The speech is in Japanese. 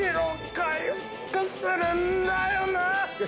回復するんだよなぁ！